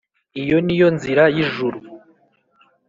iyo ni yo nzira y’ijuru.